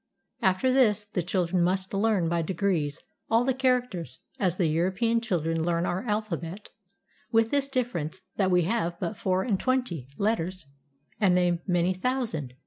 After this, the children must learn by degrees all the characters, as the European children learn our alphabet, with this difference that we have but four and twenty letters, and they many thousand.